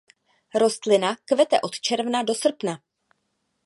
Rostlina kvete od června do srpna.